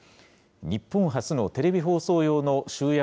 日本初のテレビ放送用の集約